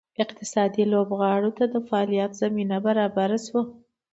اقتصادي لوبغاړو ته د فعالیت زمینه برابره شوه.